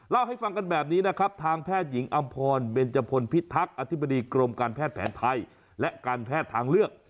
เล่าให้ฟังกันแบบนี้นะครับทางแพทย์หญิงอำพรเบนจพลพิทักษ์อธิบดีกรมการแพทย์แผนไทยและการแพทย์ทางเลือก